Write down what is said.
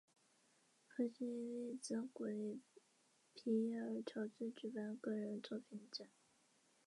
绿袖蝶属是蛱蝶科釉蛱蝶亚科中的一个属。